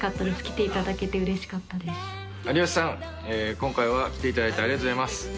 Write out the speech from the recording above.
今回は来ていただいてありがとうございます。